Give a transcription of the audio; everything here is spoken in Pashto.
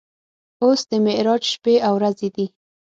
اوس د معراج شپې او ورځې دي.